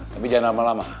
tapi jangan lama lama